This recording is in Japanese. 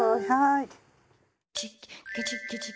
はい。